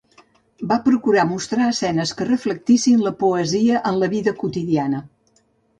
Va procurar mostrar escenes que reflectissin la poesia en la vida quotidiana.